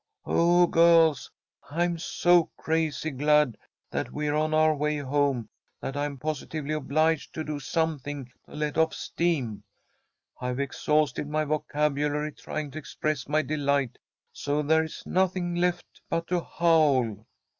Oh, girls, I'm so crazy glad that we're on our way home that I'm positively obliged to do something to let off steam. I've exhausted my vocabulary trying to express my delight, so there's nothing left but to howl."